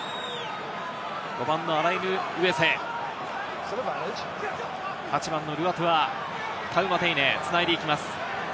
５番のアライヌウエセ、８番のルアトゥア、タウマテイネ繋いでいきます。